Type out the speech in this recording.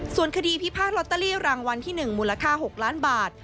ส่วนคดีพิพาทลอตเตอรี่รางวัลที่๑มูลค่า๖ล้านบาท